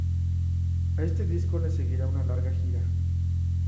A este disco le seguirá una larga gira.